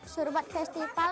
suruh buat festival